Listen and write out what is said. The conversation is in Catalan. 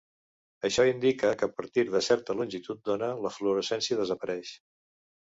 Això indica que a partir de certa longitud d'ona la fluorescència desapareix.